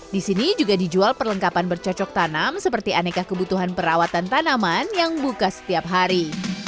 di sini juga dijual perlengkapan bercocok tanam seperti aneka kebutuhan perawatan tanaman yang buka setiap hari